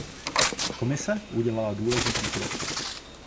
Komise udělala důležitý krok.